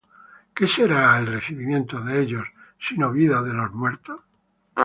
¿qué será el recibimiento de ellos, sino vida de los muertos?